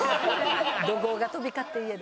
怒号が飛び交って家で。